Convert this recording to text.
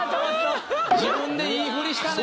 自分で良い振りしたね。